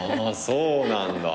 そうなんだ。